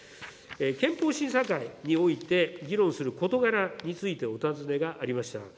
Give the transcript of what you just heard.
憲法審査会において議論する事柄についてお尋ねがありました。